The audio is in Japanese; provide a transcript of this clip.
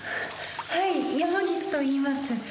はい山岸といいます。